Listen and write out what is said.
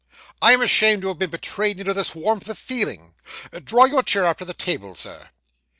I am ashamed to have been betrayed into this warmth of feeling. Draw your chair up to the table, Sir.